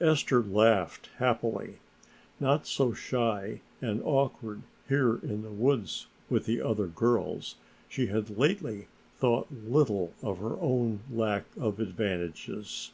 Esther laughed happily. Not so shy and awkward here in the woods with the other girls, she had lately thought little of her own lack of advantages.